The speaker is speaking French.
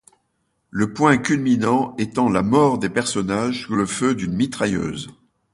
Le point culminant étant la mort des personnages sous le feu d'une mitrailleuse.